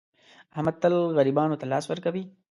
احمد تل غریبانو ته لاس ور کوي.